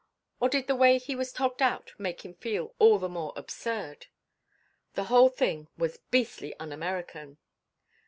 or did the way he was togged out make him feel all the more absurd? The whole thing was beastly un American....